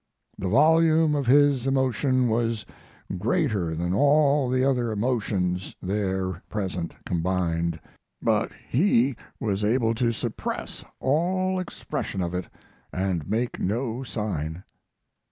The volume of his emotion was greater than all the other emotions there present combined, but he was able to suppress all expression of it and make no sign.